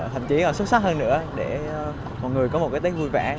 thậm chí xuất sắc hơn nữa để mọi người có một cái tết vui vẻ